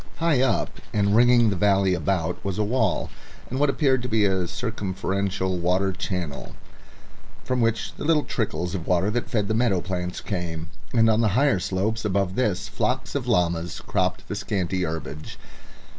High up and ringing the valley about was a wall, and what appeared to be a circumferential water channel, from which the little trickles of water that fed the meadow plants came, and on the higher slopes above this flocks of llamas cropped the scanty herbage.